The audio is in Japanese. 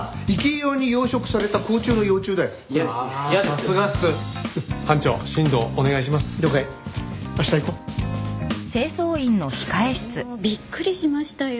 もうびっくりしましたよ。